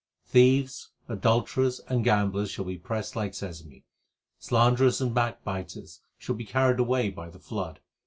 Thieves, adulterers, and gamblers shall be pressed like sesame ; Slanderers and backbiters shall be carried away by the flood.